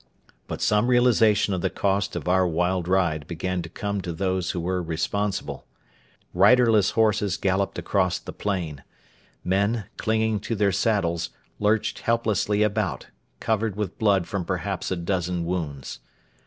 But some realisation of the cost of our wild ride began to come to those who were responsible. Riderless horses galloped across the plain. Men, clinging to their saddles, lurched helplessly about, covered with blood from perhaps a dozen wounds.